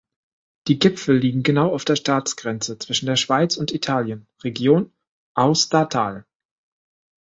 Die Gipfel liegen genau auf der Staatsgrenze zwischen der Schweiz und Italien, Region Aostatal.